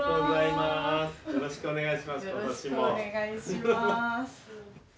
よろしくお願いします。